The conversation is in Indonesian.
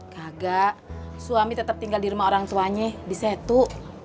kagak suami tetap tinggal di rumah orang tuanya di setu